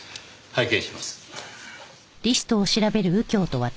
拝見します。